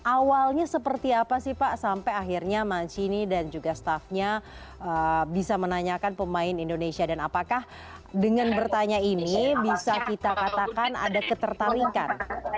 awalnya seperti apa sih pak sampai akhirnya mancini dan juga staffnya bisa menanyakan pemain indonesia dan apakah dengan bertanya ini bisa kita katakan ada ketertarikan